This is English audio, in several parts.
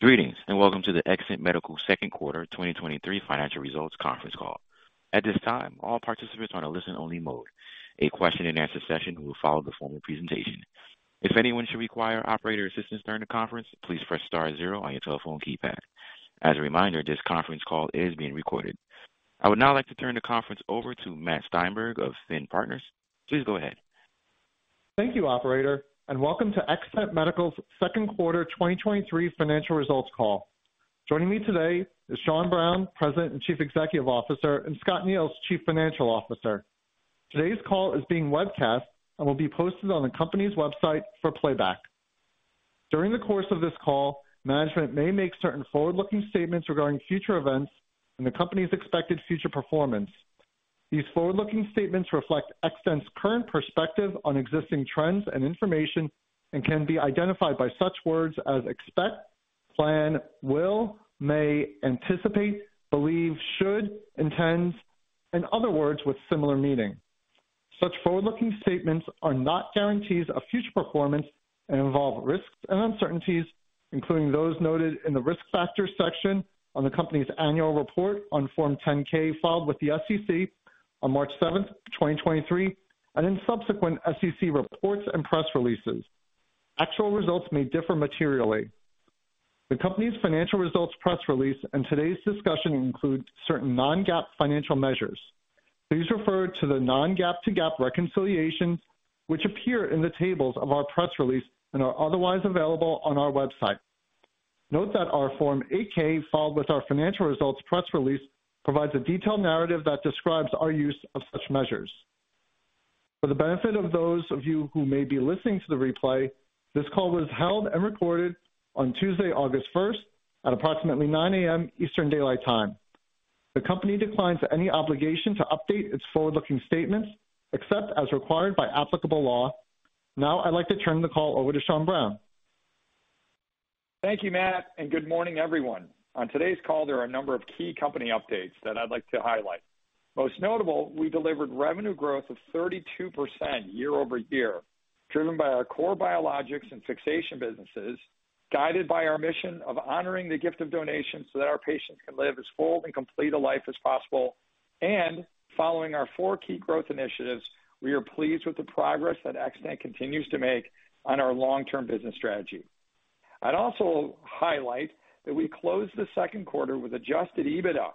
Greetings, welcome to the Xtant Medical Second Quarter 2023 financial results conference call. At this time, all participants are in a listen-only mode. A question-and-answer session will follow the formal presentation. If anyone should require operator assistance during the conference, please press star zero on your telephone keypad. As a reminder, this conference call is being recorded. I would now like to turn the conference over to Matt Steinberg of Finn Partners. Please go ahead. Thank you, operator, welcome to Xtant Medical's Second Quarter 2023 financial results call. Joining me today is Sean Browne, President and Chief Executive Officer, Scott Neils, Chief Financial Officer. Today's call is being webcast and will be posted on the company's website for playback. During the course of this call, management may make certain forward-looking statements regarding future events and the company's expected future performance. These forward-looking statements reflect Xtant's current perspective on existing trends and information and can be identified by such words as expect, plan, will, may, anticipate, believe, should, intends, and other words with similar meaning. Such forward-looking statements are not guarantees of future performance and involve risks and uncertainties, including those noted in the Risk Factors section on the company's annual report on Form 10-K, filed with the SEC on March 7, 2023, and in subsequent SEC reports and press releases. Actual results may differ materially. The company's financial results press release and today's discussion include certain non-GAAP financial measures. Please refer to the non-GAAP to GAAP reconciliations, which appear in the tables of our press release and are otherwise available on our website. Note that our Form 8-K, filed with our financial results press release, provides a detailed narrative that describes our use of such measures. For the benefit of those of you who may be listening to the replay, this call was held and recorded on Tuesday, August 1st, at approximately 9:00 A.M. Eastern Daylight Time. The company declines any obligation to update its forward-looking statements except as required by applicable law. Now, I'd like to turn the call over to Sean Browne. Thank you, Matt. Good morning, everyone. On today's call, there are a number of key company updates that I'd like to highlight. Most notable, we delivered revenue growth of 32% year-over-year, driven by our core biologics and fixation businesses, guided by our mission of honoring the gift of donation so that our patients can live as full and complete a life as possible. Following our four key growth initiatives, we are pleased with the progress that Xtant continues to make on our long-term business strategy. I'd also highlight that we closed the second quarter with adjusted EBITDA.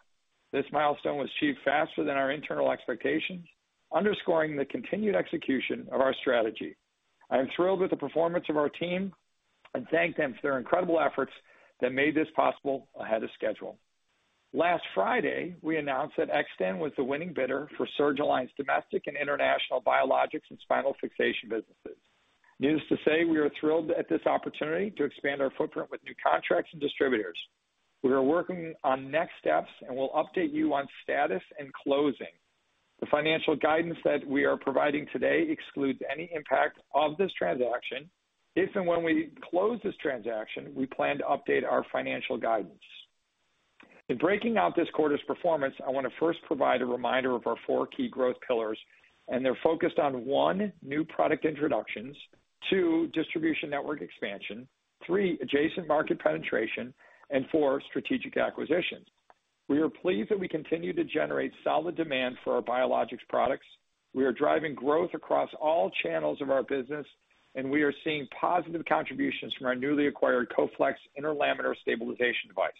This milestone was achieved faster than our internal expectations, underscoring the continued execution of our strategy. I am thrilled with the performance of our team and thank them for their incredible efforts that made this possible ahead of schedule. Last Friday, we announced that Xtant was the winning bidder for Surgalign's domestic and international biologics and spinal fixation businesses. Needless to say, we are thrilled at this opportunity to expand our footprint with new contracts and distributors. We are working on next steps, and we'll update you on status and closing. The financial guidance that we are providing today excludes any impact of this transaction. If and when we close this transaction, we plan to update our financial guidance. In breaking out this quarter's performance, I want to first provide a reminder of our four key growth pillars, and they're focused on, One, new product introductions, two, distribution network expansion, three, adjacent market penetration, and four, strategic acquisitions. We are pleased that we continue to generate solid demand for our biologics products. We are driving growth across all channels of our business, and we are seeing positive contributions from our newly acquired Coflex interlaminar stabilization device.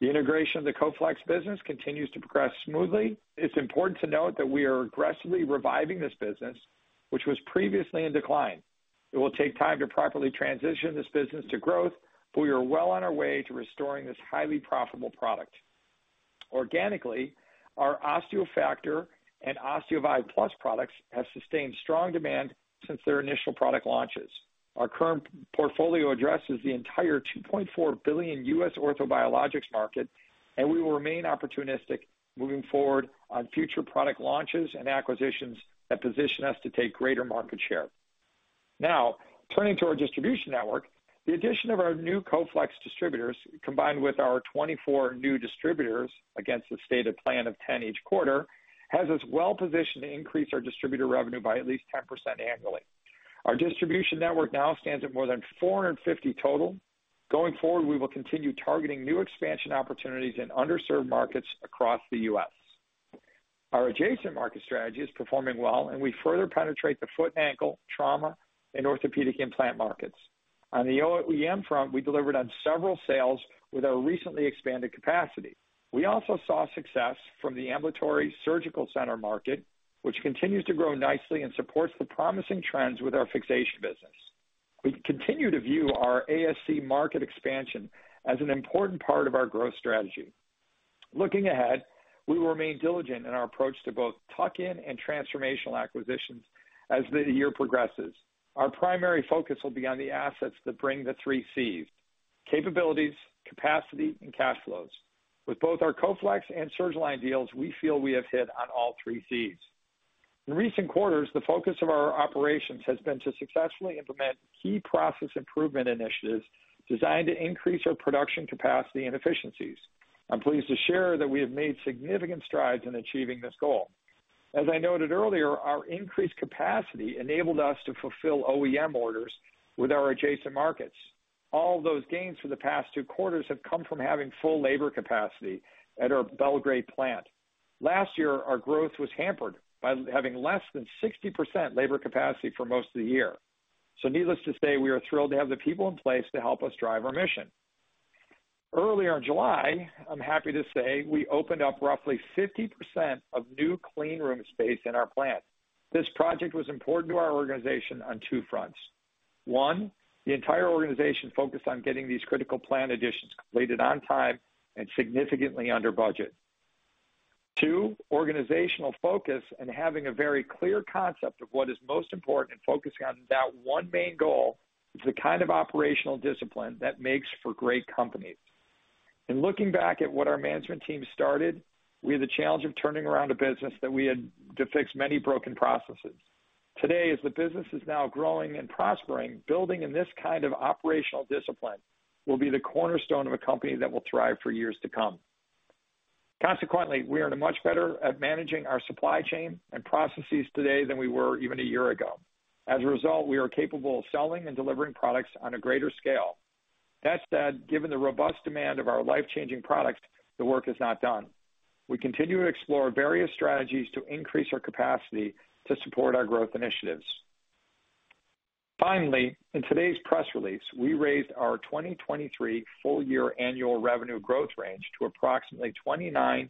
The integration of the Coflex business continues to progress smoothly. It's important to note that we are aggressively reviving this business, which was previously in decline. It will take time to properly transition this business to growth, but we are well on our way to restoring this highly profitable product. Organically, our OsteoFactor and OsteoVive Plus products have sustained strong demand since their initial product launches. Our current portfolio addresses the entire $2.4 billion U.S. Orthobiologics market, and we will remain opportunistic moving forward on future product launches and acquisitions that position us to take greater market share. Turning to our distribution network, the addition of our new Coflex distributors, combined with our 24 new distributors, against the stated plan of 10 each quarter, has us well positioned to increase our distributor revenue by at least 10% annually. Our distribution network now stands at more than 450 total. We will continue targeting new expansion opportunities in underserved markets across the U.S.. Our adjacent market strategy is performing well, we further penetrate the foot and ankle, trauma, and orthopedic implant markets. On the OEM front, we delivered on several sales with our recently expanded capacity. We also saw success from the ambulatory surgical center market, which continues to grow nicely and supports the promising trends with our fixation business. We continue to view our ASC market expansion as an important part of our growth strategy. Looking ahead, we will remain diligent in our approach to both tuck-in and transformational acquisitions as the year progresses. Our primary focus will be on the assets that bring the three Cs: capabilities, capacity, and cash flows. With both our Coflex and Surgalign deals, we feel we have hit on all three Cs. In recent quarters, the focus of our operations has been to successfully implement key process improvement initiatives designed to increase our production capacity and efficiencies. I'm pleased to share that we have made significant strides in achieving this goal. As I noted earlier, our increased capacity enabled us to fulfill OEM orders with our adjacent markets. All those gains for the past two quarters have come from having full labor capacity at our Belgrade plant. Last year, our growth was hampered by having less than 60% labor capacity for most of the year. Needless to say, we are thrilled to have the people in place to help us drive our mission. Earlier in July, I'm happy to say, we opened up roughly 50% of new clean room space in our plant. This project was important to our organization on two fronts. One, the entire organization focused on getting these critical plant additions completed on time and significantly under budget. Two, organizational focus and having a very clear concept of what is most important and focusing on that one main goal is the kind of operational discipline that makes for great companies. In looking back at what our management team started, we had the challenge of turning around a business that we had to fix many broken processes. Today, as the business is now growing and prospering, building in this kind of operational discipline will be the cornerstone of a company that will thrive for years to come. Consequently, we are much better at managing our supply chain and processes today than we were even a year ago. As a result, we are capable of selling and delivering products on a greater scale. That said, given the robust demand of our life-changing products, the work is not done. We continue to explore various strategies to increase our capacity to support our growth initiatives. Finally, in today's press release, we raised our 2023 full year annual revenue growth range to approximately 29%-33%,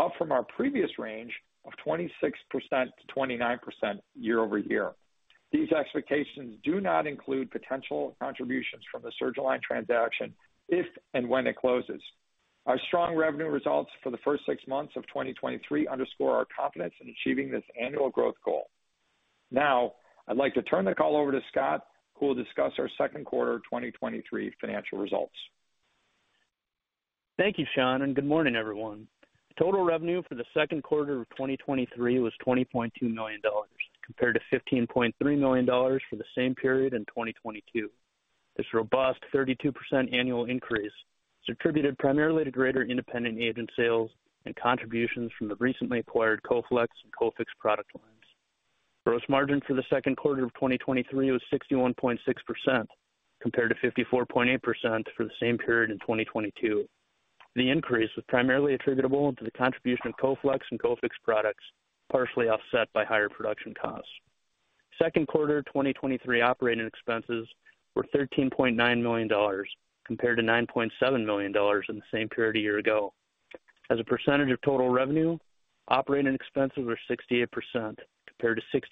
up from our previous range of 26%-29% year-over-year. These expectations do not include potential contributions from the Surgalign transaction if and when it closes. Our strong revenue results for the first six months of 2023 underscore our confidence in achieving this annual growth goal. I'd like to turn the call over to Scott, who will discuss our second quarter 2023 financial results. Thank you, Sean, and good morning, everyone. Total revenue for the second quarter of 2023 was $20.2 million, compared to $15.3 million for the same period in 2022. This robust 32% annual increase is attributed primarily to greater independent agent sales and contributions from the recently acquired Coflex and CoFix product lines. Gross margin for the second quarter of 2023 was 61.6%, compared to 54.8% for the same period in 2022. The increase was primarily attributable to the contribution of Coflex and CoFix products, partially offset by higher production costs. Second quarter 2023 operating expenses were $13.9 million, compared to $9.7 million in the same period a year ago. As a percentage of total revenue, operating expenses were 68%, compared to 63%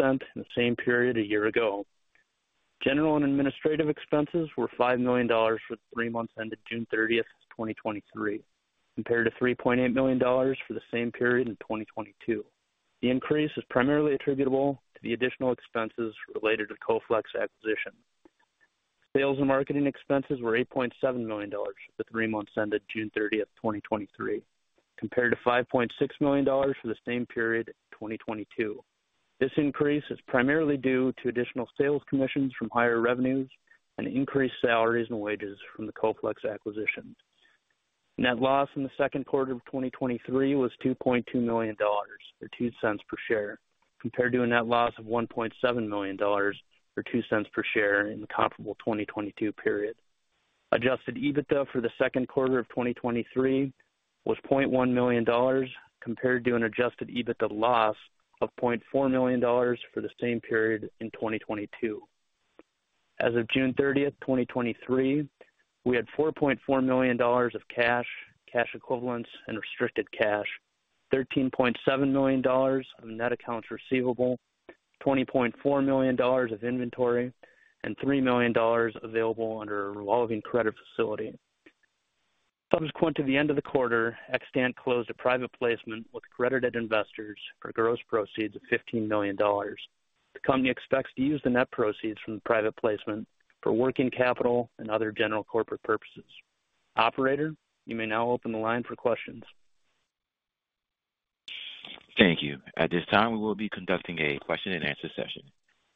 in the same period a year ago. General and administrative expenses were $5 million for the three months ended June 30th, 2023, compared to $3.8 million for the same period in 2022. The increase is primarily attributable to the additional expenses related to Coflex acquisition. Sales and marketing expenses were $8.7 million for the three months ended June 30th, 2023, compared to $5.6 million for the same period in 2022. This increase is primarily due to additional sales commissions from higher revenues and increased salaries and wages from the Coflex acquisition. Net loss in the second quarter of 2023 was $2.2 million, or $0.02 per share, compared to a net loss of $1.7 million, or $0.02 per share in the comparable 2022 period. Adjusted EBITDA for the second quarter of 2023 was $0.1 million, compared to an adjusted EBITDA loss of $0.4 million for the same period in 2022. As of June 30th, 2023, we had $4.4 million of cash, cash equivalents and restricted cash, $13.7 million of net accounts receivable, $20.4 million of inventory, and $3 million available under a revolving credit facility. Subsequent to the end of the quarter, Xtant closed a private placement with accredited investors for gross proceeds of $15 million. The company expects to use the net proceeds from the private placement for working capital and other general corporate purposes. Operator, you may now open the line for questions. Thank you. At this time, we will be conducting a question-and-answer session.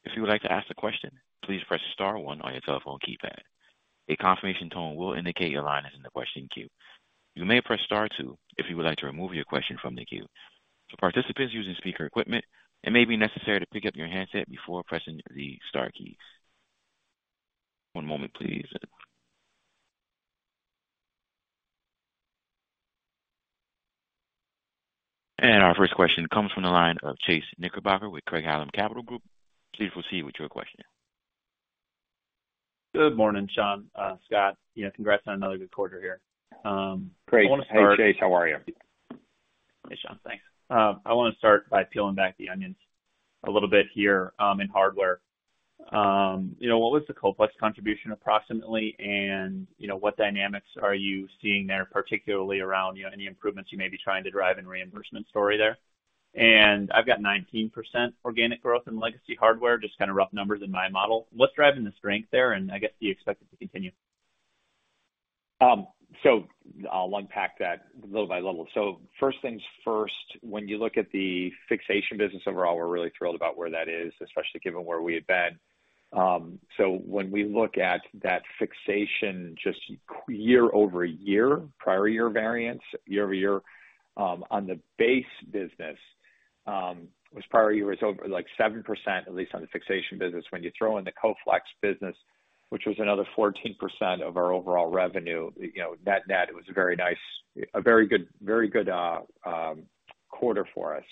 If you would like to ask a question, please press star one on your telephone keypad. A confirmation tone will indicate your line is in the question queue. You may press star two if you would like to remove your question from the queue. For participants using speaker equipment, it may be necessary to pick up your handset before pressing the star keys. One moment, please. Our first question comes from the line of Chase Knickerbocker with Craig-Hallum Capital Group. Please proceed with your question. Good morning, Sean. Scott, yeah, congrats on another good quarter here. I want to start- Great. Hey, Chase, how are you? Hey, Sean. Thanks. I want to start by peeling back the onions a little bit here, in hardware. You know, what was the Coflex contribution approximately, and, you know, what dynamics are you seeing there, particularly around, you know, any improvements you may be trying to drive in reimbursement story there? I've got 19% organic growth in legacy hardware, just kind of rough numbers in my model. What's driving the strength there, and I guess, do you expect it to continue? I'll unpack that level by level. First things first. When you look at the fixation business overall, we're really thrilled about where that is, especially given where we had been. When we look at that fixation just year-over-year, prior year variance, year-over-year, on the base business, was prior year was over, like, 7%, at least on the fixation business. When you throw in the Coflex business, which was another 14% of our overall revenue, you know, net-net, it was a very nice, a very good, very good quarter for us.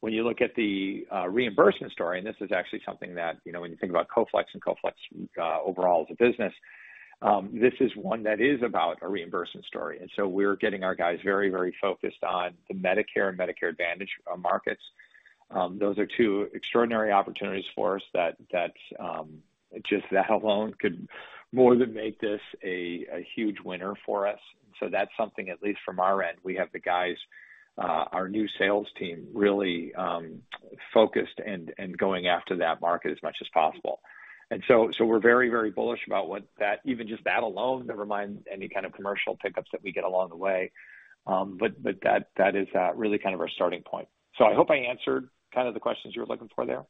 When you look at the reimbursement story, this is actually something that, you know, when you think about Coflex and Coflex overall as a business, this is one that is about a reimbursement story. So we're getting our guys very, very focused on the Medicare and Medicare Advantage markets. Those are two extraordinary opportunities for us that, that, just that alone could more than make this a, a huge winner for us. That's something, at least from our end, we have the guys, our new sales team, really, focused and, and going after that market as much as possible. So, so we're very, very bullish about what that even just that alone, never mind any kind of commercial pickups that we get along the way. That, that is, really kind of our starting point. I hope I answered kind of the questions you were looking for there.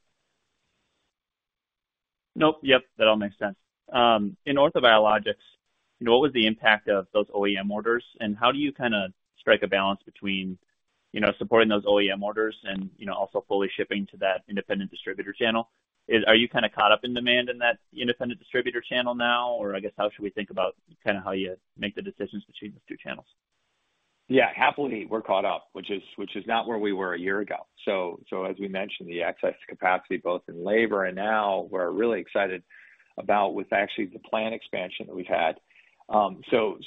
Nope. Yep, that all makes sense. In Orthobiologics, you know, what was the impact of those OEM orders, and how do you kinda strike a balance between, you know, supporting those OEM orders and, you know, also fully shipping to that independent distributor channel? Are you kinda caught up in demand in that independent distributor channel now? I guess, how should we think about kinda how you make the decisions between those two channels? Yeah, happily, we're caught up, which is, which is not where we were a year ago. As we mentioned, the access to capacity, both in labor and now, we're really excited about with actually the plan expansion that we've had.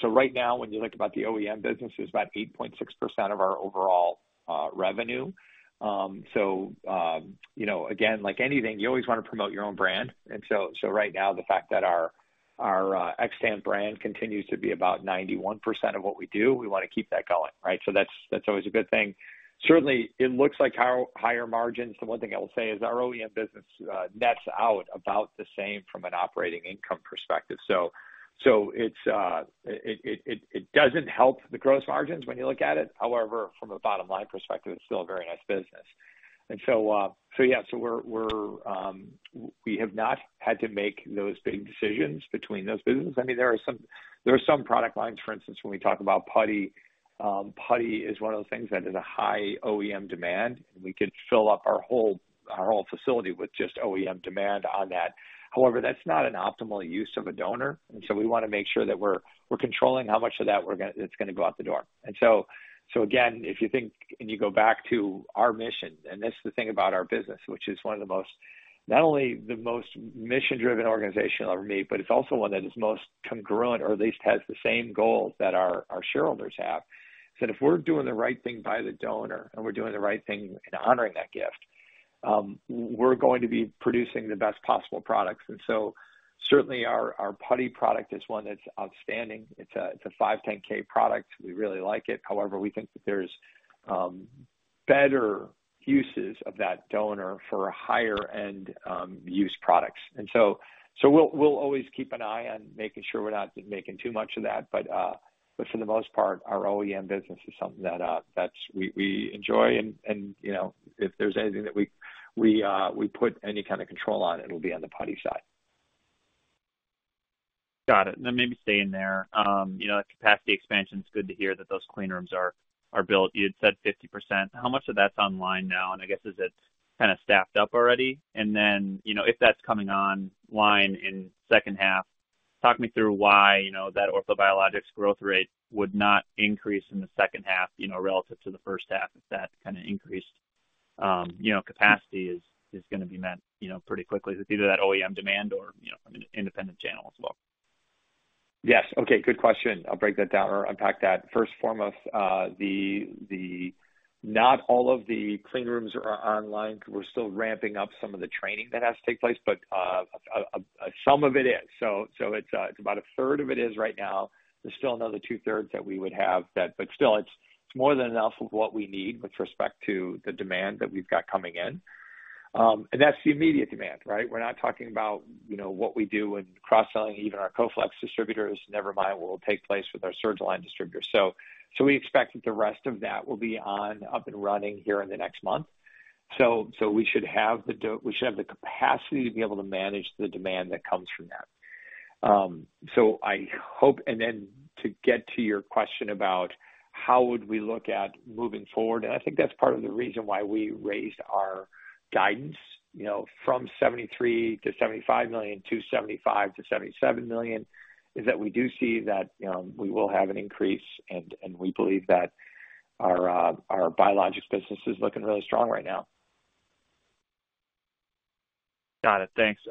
Right now, when you look about the OEM business, it's about 8.6% of our overall revenue. You know, again, like anything, you always want to promote your own brand. Right now, the fact that our, our Xtant brand continues to be about 91% of what we do, we want to keep that going, right? That's, that's always a good thing. Certainly, it looks like our higher margins, the one thing I will say is our OEM business nets out about the same from an operating income perspective. It's... It doesn't help the gross margins when you look at it. From a bottom line perspective, it's still a very nice business. Yeah, we're, we have not had to make those big decisions between those businesses. I mean, there are some, there are some product lines, for instance, when we talk about putty, putty is one of those things that is a high OEM demand. We could fill up our whole, our whole facility with just OEM demand on that. That's not an optimal use of a donor, so we want to make sure that we're controlling how much of that that's gonna go out the door. So again, if you think, and you go back to our mission, and that's the thing about our business, which is one of the most-- not only the most mission-driven organization I've ever made, but it's also one that is most congruent or at least has the same goals that our, our shareholders have, is that if we're doing the right thing by the donor and we're doing the right thing in honoring that gift, we're going to be producing the best possible products. So certainly our, our putty product is one that's outstanding. It's a, it's a 510(k) product. We really like it. However, we think that there's better uses of that donor for a higher-end, use products. So we'll, we'll always keep an eye on making sure we're not making too much of that. For the most part, our OEM business is something that, that's we, we enjoy. You know, if there's anything that we, we, we put any kind of control on, it'll be on the putty side. Got it. Maybe staying there, you know, that capacity expansion, it's good to hear that those clean rooms are, are built. You had said 50%. How much of that's online now? I guess, is it kind of staffed up already? You know, if that's coming online in second half, talk me through why, you know, that Orthobiologics growth rate would not increase in the second half, you know, relative to the first half, if that kind of increased, you know, capacity is, is gonna be met, you know, pretty quickly with either that OEM demand or, you know, from an independent channel as well. Yes. Okay, good question. I'll break that down or unpack that. First foremost, not all of the clean rooms are online. We're still ramping up some of the training that has to take place, but some of it is. So it's about 1/3 of it is right now. There's still another 2/3 that we would have that, but still it's more than enough of what we need with respect to the demand that we've got coming in. And that's the immediate demand, right? We're not talking about, you know, what we do when cross-selling even our Coflex distributors, never mind what will take place with our Surgalign distributors. So we expect that the rest of that will be on, up and running here in the next month. So we should have the capacity to be able to manage the demand that comes from that. I hope. Then to get to your question about how would we look at moving forward, and I think that's part of the reason why we raised our guidance, you know, from $73 million-$75 million to $75 million-$77 million, is that we do see that we will have an increase, and we believe that our biologics business is looking really strong right now. Got it. Thanks.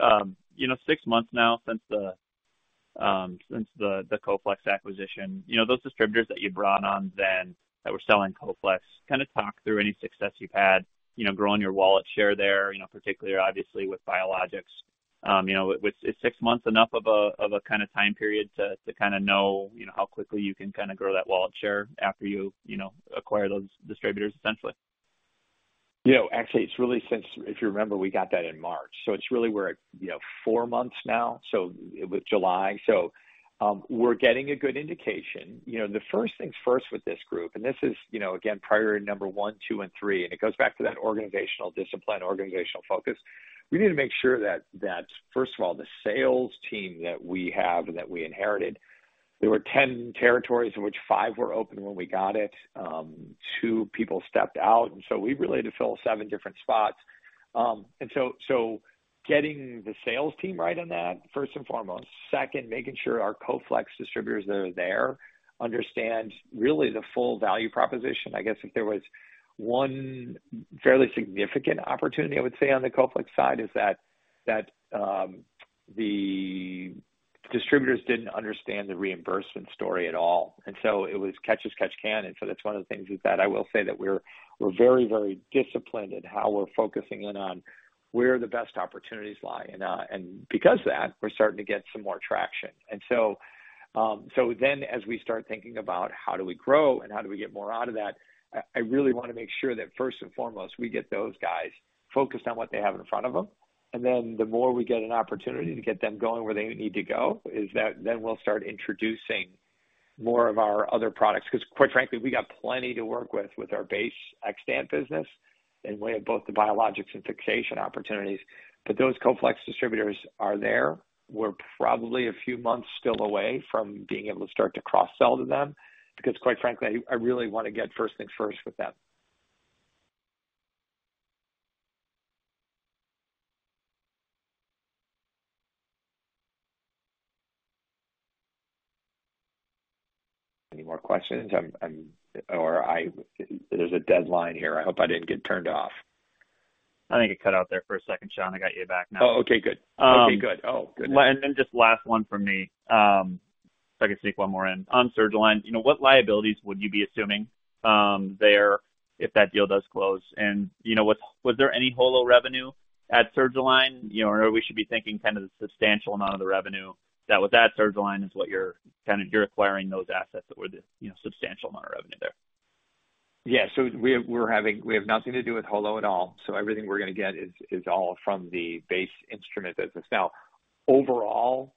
you know, six months now since the, since the, the Coflex acquisition, you know, those distributors that you brought on then that were selling Coflex, kind of talk through any success you've had, you know, growing your wallet share there, you know, particularly obviously with biologics. you know, with- is six months enough of a, of a kind of time period to, to kinda know, you know, how quickly you can kinda grow that wallet share after you, you know, acquire those distributors essentially? You know, actually, it's really since. If you remember, we got that in March, so it's really, we're at, you know, four months now, so with July. We're getting a good indication. You know, the first things first with this group, and this is, you know, again, priority number one, two, and three, and it goes back to that organizational discipline, organizational focus. We need to make sure that, first of all, the sales team that we have and that we inherited. There were 10 territories in which five were open when we got it. Two people stepped out, and so we really had to fill seven different spots. So, getting the sales team right on that, first and foremost. Second, making sure our Coflex distributors that are there understand really the full value proposition. I guess if there was one fairly significant opportunity, I would say, on the Coflex side, is that, that, the distributors didn't understand the reimbursement story at all, and so it was catch-as-catch-can. So that's one of the things with that I will say, that we're, we're very, very disciplined in how we're focusing in on where the best opportunities lie. Because of that, we're starting to get some more traction. So then as we start thinking about how do we grow and how do we get more out of that, I, I really wanna make sure that first and foremost, we get those guys focused on what they have in front of them. The more we get an opportunity to get them going where they need to go, is that then we'll start introducing more of our other products, because quite frankly, we got plenty to work with with our base Xtant business, and we have both the biologics and fixation opportunities. Those Coflex distributors are there. We're probably a few months still away from being able to start to cross-sell to them, because quite frankly, I really wanna get first things first with them. Any more questions? I'm... There's a deadline here. I hope I didn't get turned off. I think it cut out there for a second, Sean. I got you back now. Oh, okay, good. Okay, good. Oh, goodness. Then just last one from me, if I could sneak one more in. On Surgalign, you know, what liabilities would you be assuming there, if that deal does close? You know, was, was there any HOLO revenue at Surgalign? You know, or we should be thinking kind of the substantial amount of the revenue that with that Surgalign is what you're, kind of you're acquiring those assets that were the, you know, substantial amount of revenue there. Yeah. We have nothing to do with HOLO at all, so everything we're gonna get is all from the base instrument business. Overall,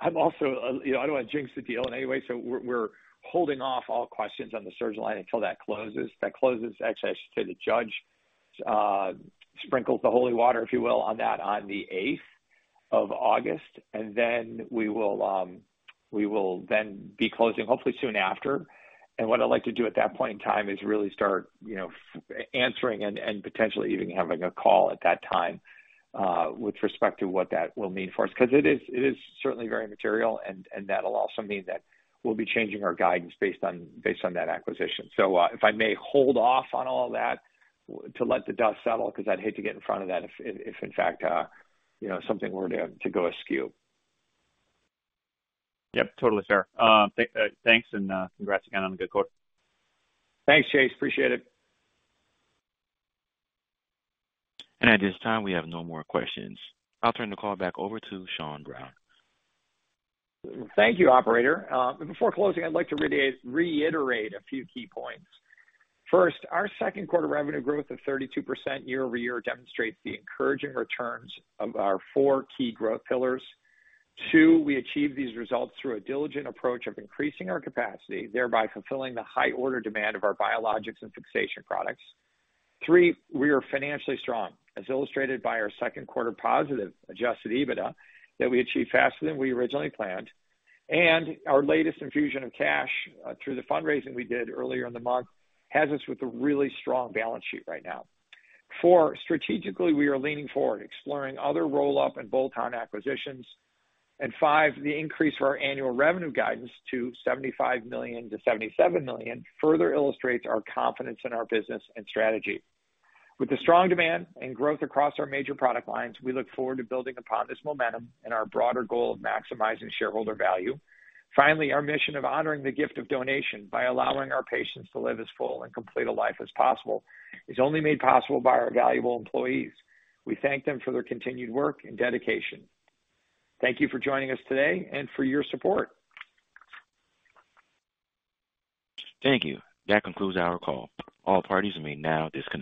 I'm also, you know, I don't want to jinx the deal in any way, so we're holding off all questions on the Surgalign until that closes. That closes, actually, I should say, the judge sprinkles the holy water, if you will, on that on the 8th of August, then we will be closing hopefully soon after. What I'd like to do at that point in time is really start, you know, answering and potentially even having a call at that time with respect to what that will mean for us. Because it is, it is certainly very material, and and that'll also mean that we'll be changing our guidance based on, based on that acquisition. If I may hold off on all that to let the dust settle, because I'd hate to get in front of that if if, in fact, you know, something were to, to go askew. Yep, totally, sir. thanks, thanks and, congrats again on the good quarter. Thanks, Chase. Appreciate it. At this time, we have no more questions. I'll turn the call back over to Sean Browne. Thank you, operator. Before closing, I'd like to reiterate a few key points. First, our second quarter revenue growth of 32% year-over-year demonstrates the encouraging returns of our four key growth pillars. Two, we achieved these results through a diligent approach of increasing our capacity, thereby fulfilling the high order demand of our biologics and fixation products. Three, we are financially strong, as illustrated by our second quarter positive adjusted EBITDA, that we achieved faster than we originally planned. Our latest infusion of cash, through the fundraising we did earlier in the month, has us with a really strong balance sheet right now. Four, strategically, we are leaning forward, exploring other roll-up and bolt-on acquisitions. Five, the increase of our annual revenue guidance to $75 million-$77 million further illustrates our confidence in our business and strategy. With the strong demand and growth across our major product lines, we look forward to building upon this momentum and our broader goal of maximizing shareholder value. Finally, our mission of honoring the gift of donation by allowing our patients to live as full and complete a life as possible, is only made possible by our valuable employees. We thank them for their continued work and dedication. Thank you for joining us today and for your support. Thank you. That concludes our call. All parties may now disconnect.